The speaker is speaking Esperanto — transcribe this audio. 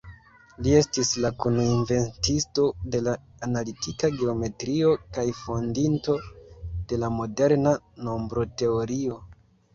Li estis la kun-inventisto de la analitika geometrio kaj fondinto de la moderna nombroteorio.